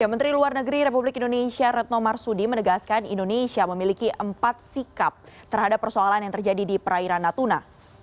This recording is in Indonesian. menteri luar negeri republik indonesia retno marsudi menegaskan indonesia memiliki empat sikap terhadap persoalan yang terjadi di perairan natuna